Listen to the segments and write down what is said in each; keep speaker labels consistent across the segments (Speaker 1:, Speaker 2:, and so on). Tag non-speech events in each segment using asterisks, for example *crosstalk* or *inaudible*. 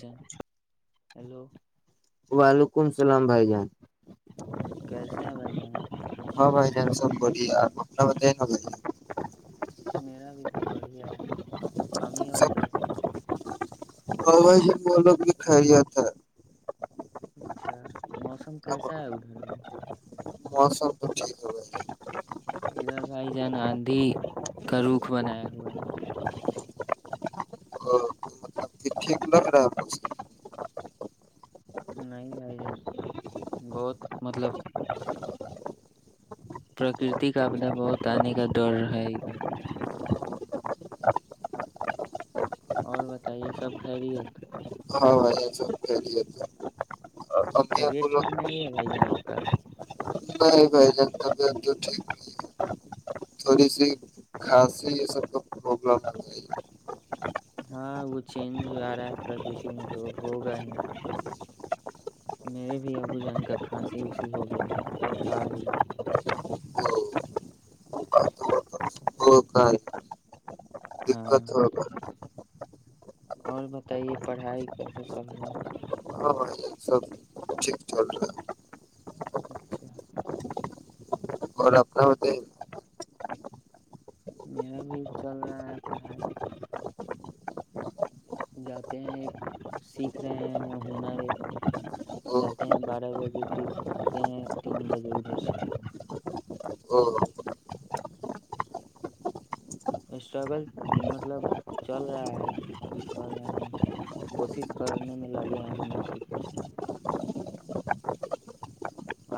Speaker 1: بھائی جان ہیلو
Speaker 2: وعلیکم السلام بھائی جان
Speaker 1: کیسے ہیں بھائی جانا
Speaker 2: ہاں بھائی ج سب بولیی آپ اپنا بت ہو
Speaker 1: میرا بھی سب بڑھیا ہے م *unintelligible* اام ابو کییسے ہیں
Speaker 2: ہ بھائی ج ملو بھی کھایا تھا
Speaker 1: اچھا موسم کیسا ہے ادھر
Speaker 2: مو سم تو ٹھیک ہو
Speaker 1: اار بھائی جان آندھی کا روخ بنایا ہوا ہے
Speaker 2: اور مطلب ٹھیک نہیںگ رہا
Speaker 1: نہیں بھائی جان بہت مطلب پرکرتی کا آپدا بہت آنے کا ڈر ہے ادھر اور بتائیے سب خرییت
Speaker 2: ہاں یہ سب پھیلیت ہے اور سندیا
Speaker 1: طبیعت
Speaker 2: پول *unintelligible*
Speaker 1: ٹھیک نہیں ہے بھائی جان آپ کا *unintelligible*
Speaker 2: نہیں بھائی جان طبیعت تو ٹھیک نہیں ہے تھوڑی سی کھانسی یہ سب کا پرابلم ہوتا *unintelligible*
Speaker 1: ہاں وہ چینج آ رہا ہے پرکرتی میں تو ہوگا ہی نہیں میرے بھی ابو جن کا کھانسی وسی ہو گیا ہے بخار ہویا اچ
Speaker 2: وہ کا
Speaker 1: *unintelligible* ہاں
Speaker 2: دقت ہوگا
Speaker 1: تو *unintelligible* اور بتائیے پڑھائی کیسا چل رہا ہے
Speaker 2: ہاں بھائی جان سب ٹھیک چل رہا ہے
Speaker 1: اچھا *unintelligible*
Speaker 2: ہد *unintelligible*
Speaker 1: میرا بھی چل رہا ہے پڑھائی جاتے ہیں ایک سیکھ رہے ہیں ہنر ایک جاتے
Speaker 2: بتائیے
Speaker 1: ہیں بارہ بجے پھر آتے ہیں تین بجے ادھر سے اسٹرگل مطلب چل رہا ہے ابھی کر رہے ہیں کوشش کرنے میں لگے ہیں ہنر سیکھنے کی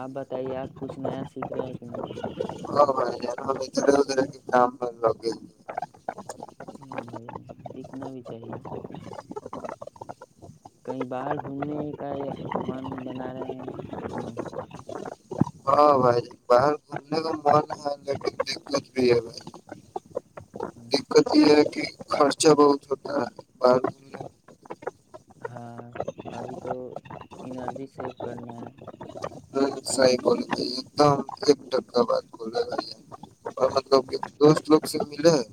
Speaker 1: آپ بتائیے آپ کچھ نیا سیکھ رہے ہیں کہ نہیں
Speaker 2: ہاں لگ *unintelligible*
Speaker 1: ہاں بھائی سیکھنا بھی چاہیے کہیں باہر گھومنے کا یہ من بنا رہے ہیں کہ نہیں
Speaker 2: ہاں ہ گ دت بھی ہے
Speaker 1: اچھا *unintelligible*
Speaker 2: خرچا بہت ہوتا ہے ب
Speaker 1: ہاں ابھی تو انرجی سیو کرنا ہے
Speaker 2: سی ت ایک دم ایک ا بات کر
Speaker 1: ہوں *unintelligible*
Speaker 2: کچ لوگ اس سے مل رہے ہے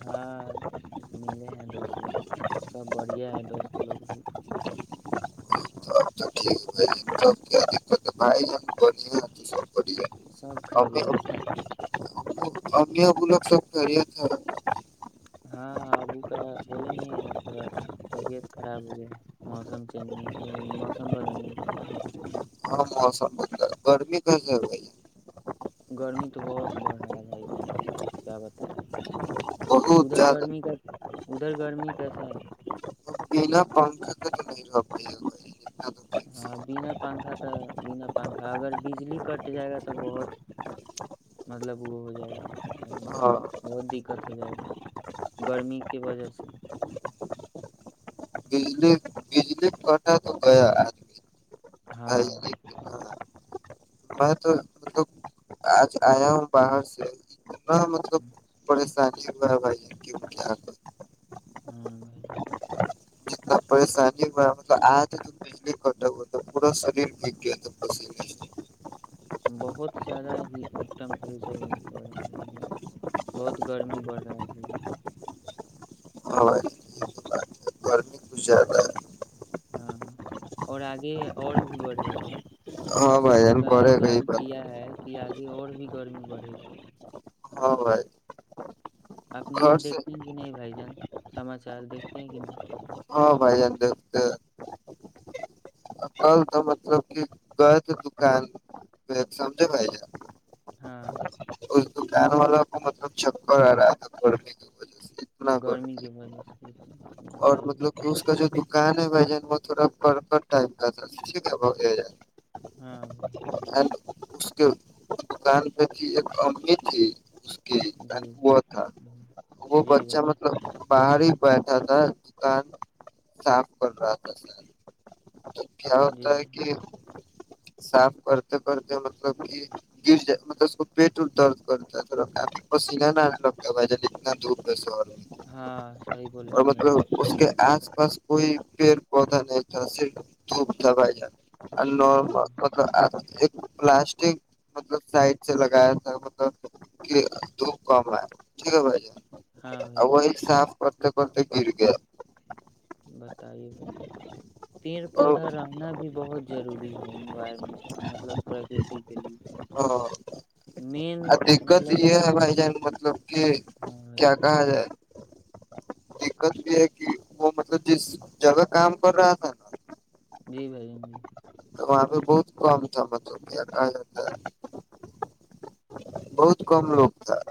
Speaker 1: ہاں ملے ہیں دوست لوگ سے سب بڑھیا ہے دوست لوگ بھی
Speaker 2: تو اب بائی ج ہم بڑیے
Speaker 1: سب خیریے تھ
Speaker 2: ابنی بولک سب خری تھا
Speaker 1: ہاں ابو کا بولے نہیں یار تھوڑا طبیعت خراب ہو گیا موسم چینج نہیں موسم بدلنے کے ک
Speaker 2: ہاں موسم ب گرمی کس ہو
Speaker 1: گرمی تو بہت بڑھ رہا ہے بھائی بن کیا بتایا
Speaker 2: بہت
Speaker 1: ادھر
Speaker 2: زیادہ
Speaker 1: گرمی کا ادھر گرمی کیسا ہے
Speaker 2: بنا پنکھا کا تو نہیں رہ پائے گا بھائی اتنا تو فکس
Speaker 1: ہاں
Speaker 2: ہے
Speaker 1: بنا پنکھا تو بنا پنکھا اگر بجلی کٹ جائے گا تو بہت مطلب وہ ہو جائے گا
Speaker 2: ہاں
Speaker 1: بہت دقت ہو جائے گا گرمی کے وجہ سے
Speaker 2: بجلی بجلی کٹا تو گیا آدمی بھائی
Speaker 1: ہاں *unintelligible*
Speaker 2: لیکن ہاں، میں تو مطلب آج آیا ہوں باہر سے نہ مطلب پریشانی ب بھائی ب *inaudible*
Speaker 1: ہاں ب ج *inaudible*
Speaker 2: جتنا پریشانی تو آتے تو بجلی کٹ پورا شریر م گیا پ
Speaker 1: بہت زیادہ ہی ٹیمپریچر بڑھ رہا ہے گا بہت گرمی بڑھ رہا ہے گا
Speaker 2: اشا *inaudible*
Speaker 1: ہاں اور آگے اور بھی بڑھے گا
Speaker 2: ہاں
Speaker 1: موسم
Speaker 2: بھائی جان
Speaker 1: وباگ
Speaker 2: بڑھے گئی
Speaker 1: جاری
Speaker 2: بات
Speaker 1: کیا ہے کہ آگے اور بھی گرمی بڑھے گا
Speaker 2: ہاں بھائی
Speaker 1: آپ نیوز
Speaker 2: گھر سے
Speaker 1: دیکھتے ہیں کہ نہیں بھائی جان سماچار دیکھتے ہیں کہ نہیں
Speaker 2: ہاں بھائی جان دیکھتے ہیں کل مطلب کہ گئے تو دکان تو سمجھا پے
Speaker 1: ہاں *inaudible*
Speaker 2: چھکر آ رہا تھا پڑنے کی
Speaker 1: گرمی کی وجہ سے اتنی بتائیے
Speaker 2: مطلب کوش کا جو کہا نہیں بھ جان وہ تھوڑا پرپ ٹائم کا تھا
Speaker 1: ہاں بھائی
Speaker 2: ہڈ *inaudible* اس کے بن پہ تھی ایک امی تھی کی
Speaker 1: جی
Speaker 2: اینڈ وہ تھا
Speaker 1: *inaudible* ہ *inaudible*
Speaker 2: وہ بچہ مطلب باہر ہی بیٹھا تھا کان صاف کر رہا تھا تھا تو کیا ہوتا ہے
Speaker 1: جی
Speaker 2: کہ صاف کرتے کرتے مطلب کہ گر جات مطلب اس کو پیٹ درد کرتا ہے پسینانا لگتا ہے بھائی جان اتنا دور سو *inaudible*
Speaker 1: ہاں صی بولیں ہیں بھائی ج *inaudible*
Speaker 2: اس کے آس پاس کوئی پڑ پودا نہیں تھاس دوپ دھپائی جائے *inaudible* الو
Speaker 1: ہاں
Speaker 2: پلاسٹک مطلب سائڈ سے لگایا تھا مطلب کہ دپ کم آئے ٹھیک ہے بھائی جان
Speaker 1: ہاں
Speaker 2: *inaudible* ا
Speaker 1: بھائی
Speaker 2: وہ ایک صاف *inaudible* پرتے پرتے گر گ *inaudible*
Speaker 1: بتائیے بھائی پیڑ
Speaker 2: اور
Speaker 1: پودا رہنا بھی بہت ضروری ہے انوائرمنٹ مطلب پرکرتی کے لیے *inaudible*
Speaker 2: آ دقگرت
Speaker 1: مطلب
Speaker 2: یہ ہے بائی جان مے *inaudible* ج *inaudible* کہ
Speaker 1: ہاں بھائی
Speaker 2: کیا کہا جائے *inaudible* دقت یہ ہے کہ وہ مطلب جس جگہ کام کر رہا تھا نا *inaudible*
Speaker 1: جی بھائین جی *inaudible*
Speaker 2: تو وہاں پہ بہت کم تھا م تو ہو کیا کہا جا ہے *inaudible* بہت کم لوگ تھا *inaudible*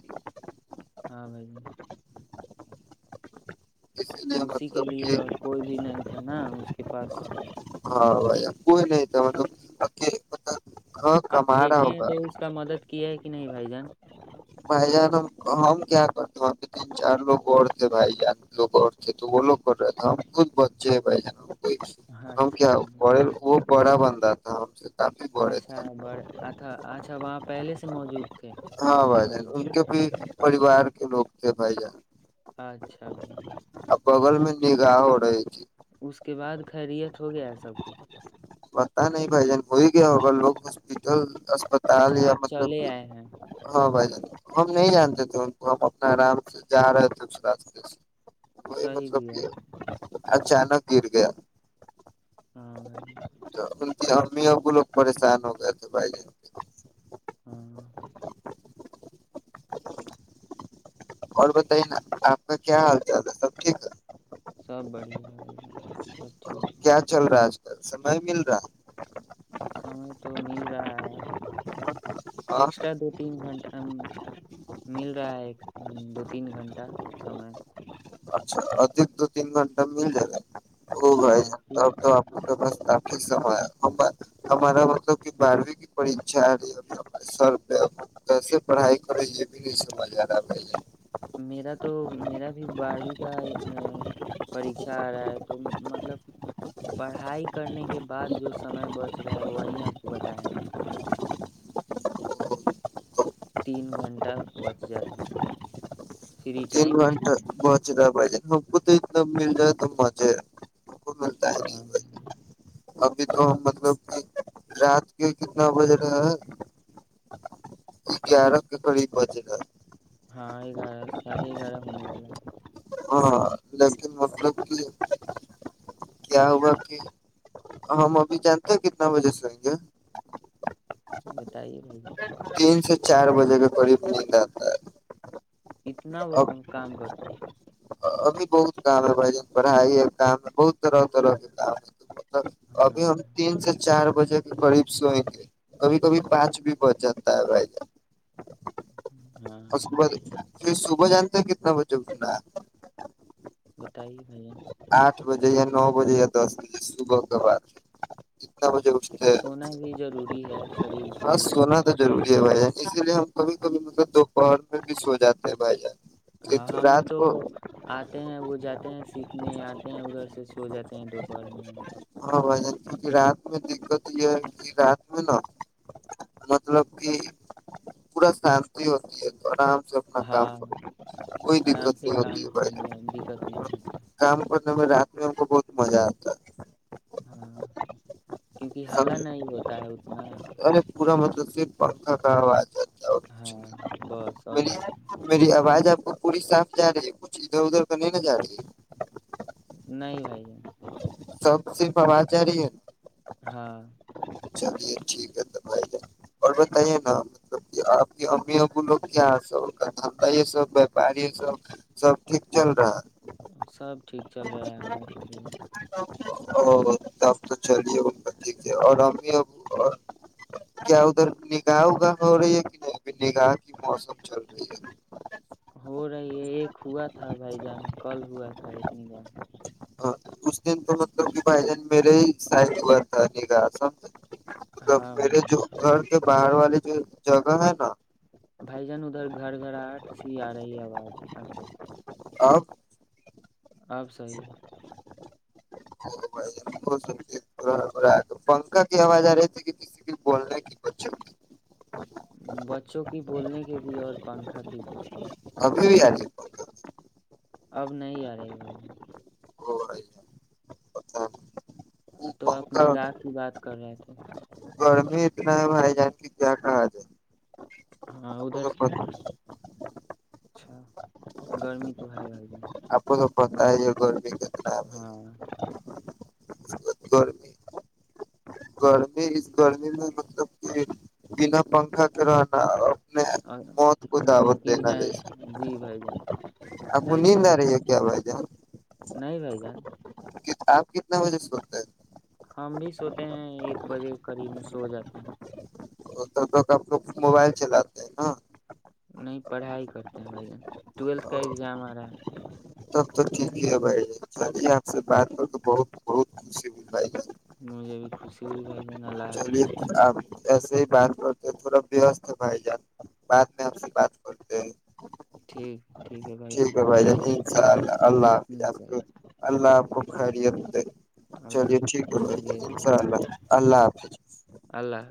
Speaker 1: ہاں بھائی ج *inaudible*
Speaker 2: لیے
Speaker 1: اسی کے
Speaker 2: مطلب کہ
Speaker 1: لیے اور کوئی بھی نہیں تھا نا اس کے پاس *inaudible*
Speaker 2: ہ کوئی نہیں تم
Speaker 1: آپ
Speaker 2: کما رہا
Speaker 1: دیکھیں ہیں
Speaker 2: ہوگا
Speaker 1: تو اس کا مدد کیا ہے کہ نہیں بھائی جان
Speaker 2: بھائی جانب ہم کیا کرتے وہاں پہ تین چار لوگ اور تھے بھائی جان لوگ اور تھے تو وہ لوگ کر رہے تھے ہم خود بچے ہیں بھائی جانب
Speaker 1: ہاں
Speaker 2: ہم
Speaker 1: اچھا
Speaker 2: کیا
Speaker 1: بھائی
Speaker 2: بڑے
Speaker 1: جان
Speaker 2: وہ بڑا بند *unintelligible*
Speaker 1: اچھا بڑ اچھا اچھا وہاں پہلے سے موجود تھے
Speaker 2: ہاں بائی
Speaker 1: بڑے
Speaker 2: ان کے پھر پریوار کے لوگ تھے بھائی جان
Speaker 1: اچھا بھائی
Speaker 2: بگل میں نگا ا رہای کی
Speaker 1: اس کے بعد خیریت ہو گیا سب کچھ
Speaker 2: پتا نہیں بھائی جان ہو ہی گیا ہوگا لوگ ہاسپٹل اسپتال
Speaker 1: اچھا
Speaker 2: یا
Speaker 1: آپ
Speaker 2: مطلب
Speaker 1: چلے آئے ہیں
Speaker 2: ہاں بھائی جان ہم نہیں جانتے تھے ان کو ہم اپنا آرام سے جا رہے تھے اس راستے سے وہی
Speaker 1: صحیح
Speaker 2: مطلب
Speaker 1: بھی ہے
Speaker 2: کیا ہے اچانک گر گیا
Speaker 1: ہاں بھائی جان،
Speaker 2: *unintelligible* ان کی ہم ہی ا وہ لوگ پریشان ہو گئے تھے بھائی جان
Speaker 1: ہاں
Speaker 2: اور بتائیے نا آپ کا کیا حال چال ہے سب ٹھیک ہے
Speaker 1: سب بڑھیا ب دن سب ٹھیک ہے
Speaker 2: سمئے مل رہا
Speaker 1: سمے تو مل رہا ہے
Speaker 2: ہے ہاں
Speaker 1: ایکسٹرا دو تین گھنٹہ مل رہا ہے دو تین گھنٹہ سمے
Speaker 2: اچھا ادھک دو تین گھنٹہ میں مل جائے گا ہو گائے
Speaker 1: ہاں پھر
Speaker 2: ستاب تو آپ کا م ہمارا مطلب کہ بارہویں کی پریھا آ رہی ہے سر کیسے پڑھائی کرے یہ بھی نہیں سمجھ آ رہا بھ
Speaker 1: میرا تو میرا اب بارہویں کا پریھا آ رہا ہے تو مطلب پڑھائی کرنے کے بعد جو سمے بچ رہا ہے وہی آپ کو بتائے تین گھنٹہ بچ جا رہا ہے فری
Speaker 2: تین
Speaker 1: ٹائم
Speaker 2: گنٹا بت رہا پے ہم کو تو اتنا مل جائے تو مزے ہے مک ملتا ہے ج
Speaker 1: ہاں
Speaker 2: ابھی تو مطلب کہ رات کے کتنا بج رہا ہے گیارہ کے قریب بج رہا
Speaker 1: ہاں گگارہ سارے گگارہ ہونے والا ہے
Speaker 2: ہاں لیکن مطلب کہ کیا ہوگا کہ ہم ابھی جانتے ہیں کتنا بجے سےئیں گے
Speaker 1: بتائیے بھائی جان
Speaker 2: تین سے چار بجے کے قریب نہیں رہ آتا ہے
Speaker 1: اتنا وہ
Speaker 2: اب
Speaker 1: کام کرتے
Speaker 2: ابھی بہت کام ہے بھ جن پڑھائی ہے کام ہے بہت طرح طرح کے کام ہے
Speaker 1: ہاں
Speaker 2: ابھی
Speaker 1: ہاں
Speaker 2: ہم تین سے چار بجے کے قریب سوئ کے کبھی کبھی پانچ بھی بچ جاتا ہے بھائی جان اور صب
Speaker 1: بھائی
Speaker 2: رہ
Speaker 1: جان،
Speaker 2: پ صبح جانتے ہیں کتنا بجے اٹھنا ہے
Speaker 1: بتائیے بھیا
Speaker 2: آٹھ بجے یا نو بجے یا دس بجے صبح کے بعد کتنا بجے
Speaker 1: سونا بھی ضروری ہے شریر کے
Speaker 2: ہ
Speaker 1: لیے بھائی
Speaker 2: سونا
Speaker 1: جان
Speaker 2: تو جروری ہے بائی اسی لیے ہم کبھی کبھی مطلب دوپہر میں بھی سو جاتے ہیں بھائی جان
Speaker 1: ہاں ہم بھی
Speaker 2: رات
Speaker 1: تو
Speaker 2: کو
Speaker 1: آتے ہیں وہ جات ہیں سیکھنے آتے ہیں ادھر سے سو جاتے ہیں دوپہر میں ہم
Speaker 2: ہاں بھائی جان کیونکہ رات میں دقت یہ ہے کہ رات میں نا مطلب کہ پورا شانتی ہوتی ہے تو آرام اپنا کام
Speaker 1: ہاں
Speaker 2: کر کوئی
Speaker 1: آرام
Speaker 2: دت
Speaker 1: سے
Speaker 2: نہیں ہوتی
Speaker 1: کام
Speaker 2: ہے بھائی
Speaker 1: کرنے میں دقت نہیں ہوتا
Speaker 2: کام کر رات میں ہم کو بہت مزہ آتا ہے
Speaker 1: ہاں کیونکہ حالا
Speaker 2: سمجھے
Speaker 1: نہیں ہوتا ہے اتنا
Speaker 2: ارے پورا مطلب سے پرکھا کا آواز ہے اورچ
Speaker 1: ہاں بس
Speaker 2: می
Speaker 1: اور کچھ
Speaker 2: میری آواز آپ *unintelligible* وہ پوری صاف جا رہی ہے کچھ ادھر ادھر کرنے نہ جا رہی
Speaker 1: نہی بھائی
Speaker 2: سب صرف آواز ج رہی ہے
Speaker 1: ہاں
Speaker 2: چلیے ٹھ ہے تو آ ج اور بتائیے نا مطلب آپ کی امی ابو لوگ کیا سب کا دھندا سب ویاپاری سب سب ٹھ چل رہا ہے
Speaker 1: سب ٹھیک چل رہا ہے اللہ کے دن
Speaker 2: او تب تو چلیے ہو *unintelligible* اور ابھی اب کیا ادھر نگاہ اگاہ ہو رہی ہے کہ نہیں ابھی نگاہ کی موسم چل رہی ہے *unintelligible*
Speaker 1: ہو رہی ہے ایک ہوا تھا بھائی جان کل ہوا تھا ایک نگاہ
Speaker 2: ہاں اس دن تو مطلب کہ بھائی جان میرے ہی ساہتیہ بتا ٹھیکاس *unintelligible* ملب
Speaker 1: ہاں بھائی
Speaker 2: میرے
Speaker 1: جان
Speaker 2: جو گھر *unintelligible* یہ باہر والی جو جگہ ہے نا *unintelligible*
Speaker 1: بھائی جان ادھر گھر گھر آٹ سی آ رہی آواز
Speaker 2: آ *unintelligible*
Speaker 1: اب صیح ہے
Speaker 2: ب *unintelligible* ھ پنکا کی آواز آ رہی تھی کہ کسی بھی بولنا کی بچوں
Speaker 1: ہے بچوں کی بولنے کی بھی اور پنکھا کی بھی
Speaker 2: ابھی بھی آری
Speaker 1: اب نہیں آ رہی بھائی
Speaker 2: ا آئیت *unintelligible*
Speaker 1: تو آپ نگاہ کی بات کر رہے تھے
Speaker 2: گرمی اتنا ہے بھائی جان کی کیا کہا جائے
Speaker 1: ہاں
Speaker 2: اب
Speaker 1: ادھر
Speaker 2: سر پ
Speaker 1: سے-
Speaker 2: *unintelligible*
Speaker 1: اچھا گرمی تو ہے بھائی گ
Speaker 2: بتاہ ج کر *unintelligible* کتنا بھی *unintelligible* گرمی گرمی اس گرمی میں مطلب کہ بنا پنکھا کے رہنا *unintelligible*
Speaker 1: اور
Speaker 2: موت کو دعوت
Speaker 1: ناممکن
Speaker 2: دینا
Speaker 1: ہے
Speaker 2: جیسے
Speaker 1: جی بھائی جان صیح بولیں
Speaker 2: ج *unintelligible* آپ کتنا بجے سے سولتے ہیں
Speaker 1: ہم بھی سوتے ہیں ایک بجے قریب میں سو جاتے ہیں
Speaker 2: وہ توب لوگب لوگ موبائل چلاتے ہیں نا
Speaker 1: نہیں پڑھائی کرتے ہیں بھائی جان ٹویلتھ کا ایگزام آ رہا ہے
Speaker 2: تب تو ٹھیک ہی ہے بھائی چلیے آپ سے بات کر کے بہت بہت خوشی ہو
Speaker 1: مجھے بھی خوشی ہوئی بھائی جان اللہ حافظ
Speaker 2: چلیے آپ ایسے ہی بات کرتے پورا وست ہے بھائی جان بعد میں ہم سے بات کرتے ہیں
Speaker 1: ٹھیک ہے ٹھیک ہے بھائی جان اللہ حافظ
Speaker 2: اچالہ اللہ حافظ آ اللہفظ خوب خاریی آتے
Speaker 1: اللہ
Speaker 2: چلیے ٹھیک
Speaker 1: حافظ
Speaker 2: ہے
Speaker 1: خیریت دے
Speaker 2: انفر
Speaker 1: بھائی جان
Speaker 2: اللہافظ اللہ حافظ
Speaker 1: اللہ حافظ